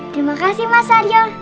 terima kasih mas saryo